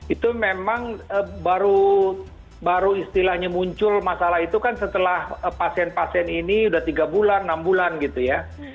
itu memang baru istilahnya muncul masalah itu kan setelah pasien pasien ini udah tiga bulan enam bulan gitu ya